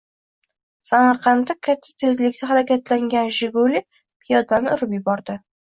Samarqandda katta tezlikda harakatlangan «Jiguli» piyodani urib yubordi